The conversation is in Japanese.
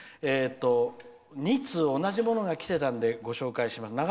２通同じものがきてたのでご紹介します。